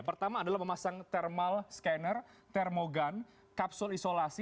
pertama adalah memasang thermal scanner termogan kapsul isolasi